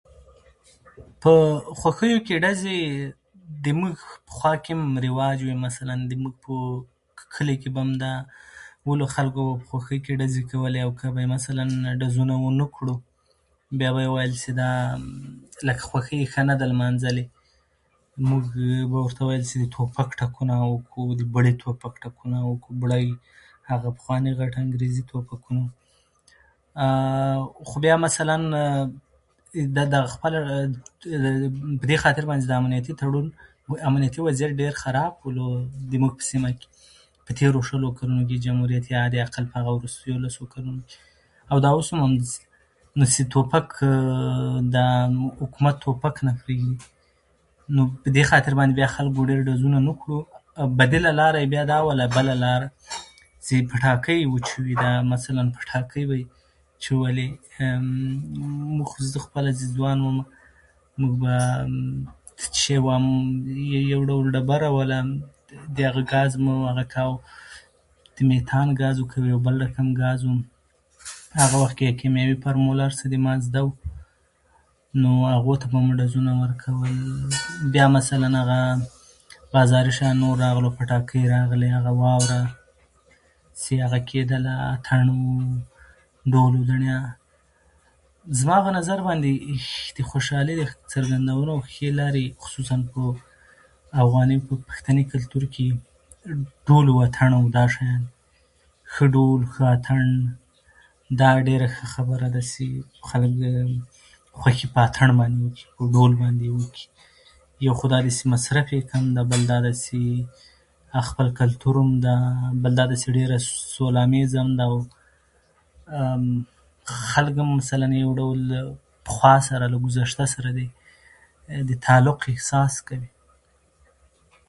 په خوښیو کې ډزې د موږ خوا کې هم رواج وې مخکې. مثلاً زموږ په کلي کې به دا ټولو خلکو به خوښیو کې ډزې کولې، او که به یې مثلاً ډزونه ونه کړو، بیا به یې ویل چې دا لکه خوشي یې ښه نه دی لمانځلې. موږ به ورته ویل چې د توپک ټکونه وکړ، [unintelligible] د ټوپک ټکونه او بړې، هغه پخوانۍ انګریزي کې ورته خو بیا مثلاً دا دغه خپله په دې خاطر باندې چې امنیتي تړون او امنیتي وضعیت خراب و زموږ په سیمه کې په تېرو شلو کلونو، جمهوریت یا حداقل په تېرو لسو کلونو کې، او دا اوس هم همداسې توپک دا حکومت توپک نه پرېږدي. نو په دې خاطر باندې خلکو بیا ډېر ډزونه نه کول. بدیله لاره یې بیا دا وه، بله لاره چې پټاکې وچوي. مثلاً دا پټاقۍ به یې چولې. زه خپله چې ځوان وم، موږ به یو ډول ډبره وه، د هغې ګاز مو هغه کاوه، د میتان ګاز و که کوم بل رقم ګاز و، هغه وخت کې کیمیاوي فرمول او هر څه یې ما زده وو، نو هغو ته به مو ډزونه ورکول. بیا مثلاً هغه ازاري شیان راغلل، پټاقۍ راغلې، هغه واوره چې هغه کېدله، اتڼ و، ډول و، دریا. زما په نظر باندې د خوشحالۍ څرګندولو ښې لارې، خصوصاً په افغاني پښتني کلتور کې، ډول او اتڼ او همدا شیان دي. ښه ډول، ښه اتڼ، دا ډېره ښه خبره ده چې خلک خوښي په اتڼ باندې وکړي، په ډول باندې وکړي. یو خو دا دی چې مصرف یې کم ده، بل دا ده چې خپل کلتور هم ده، بل دا ده چې ډېره سوله امیزه هم ده. خلک هم مثلاً یو ډول پخوا سره، له ګذشته سره د تعلق احساس کوي.